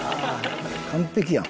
完璧やん。